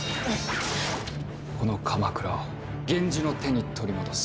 この鎌倉を源氏の手に取り戻す。